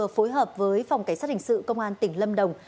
phối hợp với phòng cảnh sát hình sự công an tỉnh lâm đồng